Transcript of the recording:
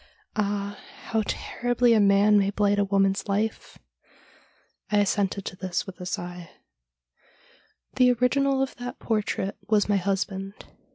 Ah, how terribly a man may blight a woman's life !' I assented to this with a sigh. ' The original of that portrait was my husband.